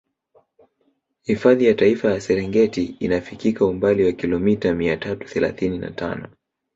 Hifadhi ya Taifa ya Serengeti inafikika umbali wa kilomita mia tatu thelathini na tano